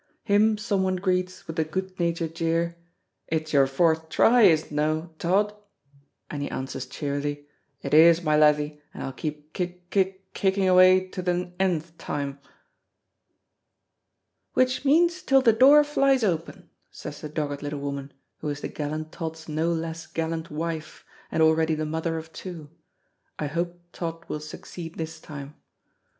Him someone greets with the good natured jeer, "It's your fourth try, is it no, Tod?" and he answers cheerily, "It is, my lathie, and I'll keep kick, kick, kicking away to the _n_th time." "Which means till the door flies open," says the dogged little woman, who is the gallant Tod's no less gallant wife, and already the mother of two. I hope Tod will succeed this time.